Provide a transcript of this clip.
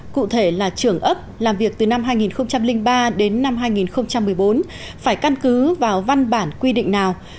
cụ thể là trưởng ấp làm việc từ năm hai nghìn ba đến năm hai nghìn một mươi bốn phải căn cứ vào văn bản quy định nào